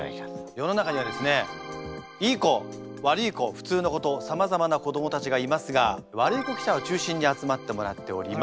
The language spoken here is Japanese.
世の中にはですねいい子悪い子普通の子とさまざまな子どもたちがいますがワルイコ記者を中心に集まってもらっております。